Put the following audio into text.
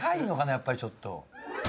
やっぱりちょっと。